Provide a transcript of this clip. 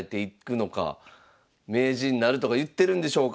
「名人なる」とか言ってるんでしょうか。